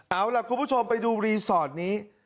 เอาล่ะคุณผู้ชมไปดูรีสอร์ทนี้